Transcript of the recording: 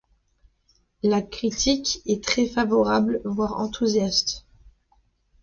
La critique est très favorable, voire enthousiaste.